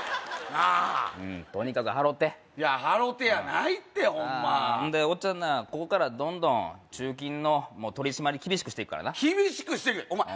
なあうんとにかく払ていや払てやないってホンマおっちゃんなここからどんどん駐禁の取り締まり厳しくしていくからな厳しくしていくお前